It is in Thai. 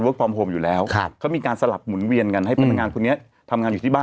เป็นกลุ่มเสี่ยงช่องคน๓ไหมครับ